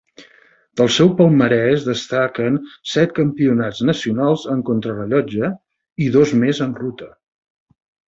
Del seu palmarès destaquen set Campionats nacionals en contrarellotge, i dos més en ruta.